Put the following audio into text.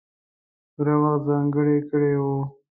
پوره وخت ځانګړی کړی وو.